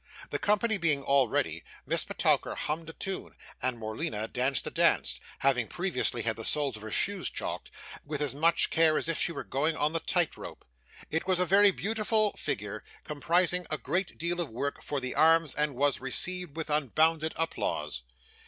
The company being all ready, Miss Petowker hummed a tune, and Morleena danced a dance; having previously had the soles of her shoes chalked, with as much care as if she were going on the tight rope. It was a very beautiful figure, comprising a great deal of work for the arms, and was received with unbounded applause.